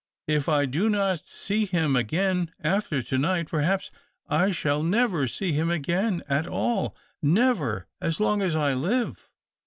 If I do not see him again after to night, perhaps I shall never see him again at all, never as long as I live.